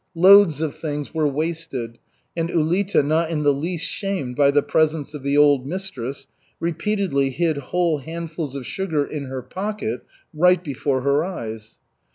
Loads of things were wasted, and Ulita, not in the least shamed by the presence of the old mistress, repeatedly hid whole handfuls of sugar in her pocket right before her eyes.